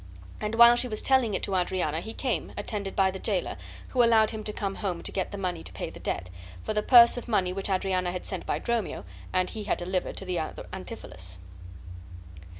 And while she was telling it to Adriana he came, attended by the jailer (who allowed him to come home to get the money to pay the debt), for the purse of money which Adriana had sent by Dromio and he had delivered to the other Antipholus.